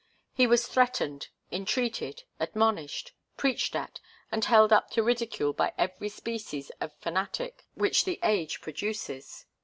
He was threatened, entreated, admonished, preached at and held up to ridicule by every species of fanatic which the age produces.